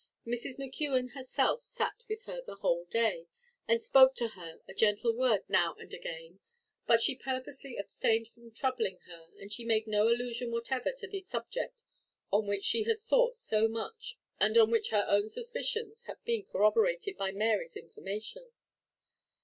Mrs. McKeon herself sat with her the whole day, and spoke to her a gentle word now and again; but she purposely abstained from troubling her, and she made no allusion whatever to the subject on which she had thought so much, and on which her own suspicions had been corroborated by Mary's information.